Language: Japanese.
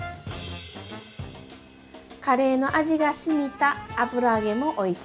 カレーの味がしみた油揚げもおいしいですよ。